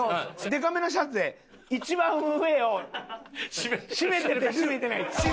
でかめのシャツで一番上をしめてるかしめてないか。